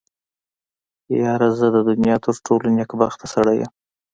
يره زه د دونيا تر ټولو نېکبخته سړی يم.